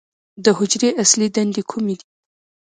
د حجرې اصلي دندې کومې دي؟